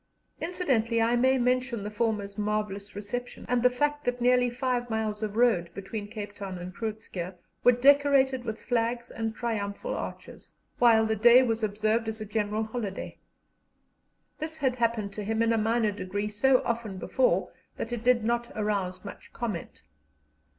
Incidentally I may mention the former's marvellous reception, and the fact that nearly five miles of road between Cape Town and Groot Schuurr were decorated with flags and triumphal arches, while the day was observed as a general holiday. This had happened to him in a minor degree so often before that it did not arouse much comment.